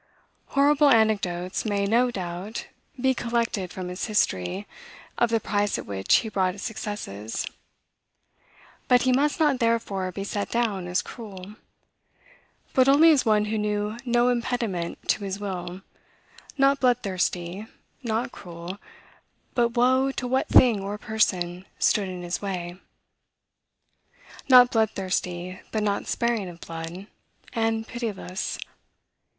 Horrible anecdotes may, no doubt, be collected from his history, of the price at which he bought his successes; but he must not therefore be set down as cruel; but only as one who knew no impediment to his will; not bloodthirsty, not cruel, but woe to what thing or person stood in his way! Not bloodthirsty, but not sparing of blood, and pitiless.